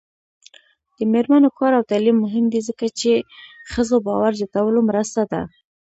د میرمنو کار او تعلیم مهم دی ځکه چې ښځو باور زیاتولو مرسته ده.